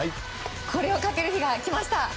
これをかける日が来ました。